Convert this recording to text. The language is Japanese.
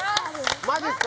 マジですか？